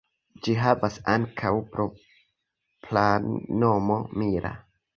Ĝi havas ankaŭ propran nomo "Mira".